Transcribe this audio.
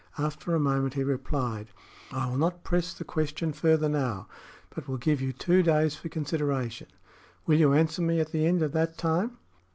After a moment he replied: "I will not press the question further now, but will give you two days for consideration. Will you answer me at the end of that time?"